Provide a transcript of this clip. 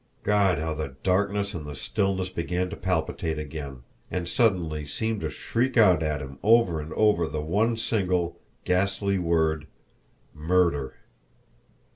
God, how the darkness and the stillness began to palpitate again, and suddenly seem to shriek out at him over and over the one single, ghastly word MURDER!